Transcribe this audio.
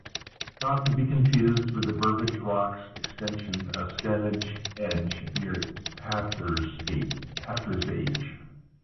Not to be confused with the Burbage Rocks extension of Stanage Edge near Hathersage.